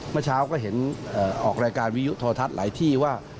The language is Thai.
เมื่อเช้าก็เห็นออกรายการวิยุโทรทัศน์หลายที่ว่า